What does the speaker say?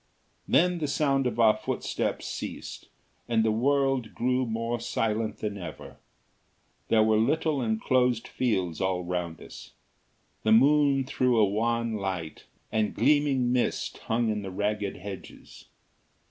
Then the sound of our footsteps ceased and the world grew more silent than ever. There were little enclosed fields all round us. The moon threw a wan light, and gleaming mist hung in the ragged hedges.